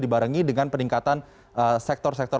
dibarengi dengan peningkatan sektor sektor